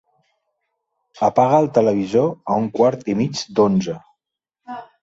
Apaga el televisor a un quart i mig d'onze.